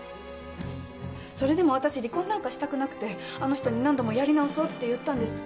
それでも私離婚なんかしたくなくてあの人に何度もやり直そうって言ったんです。